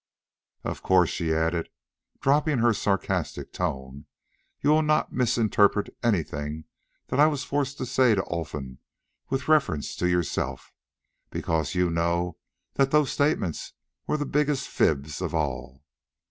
Of course," she added, dropping her sarcastic tone, "you will not misinterpret anything that I was forced to say to Olfan with reference to yourself, because you know that those statements were the biggest fibs of all.